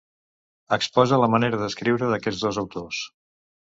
Exposa la manera d'escriure d'aquests dos autors.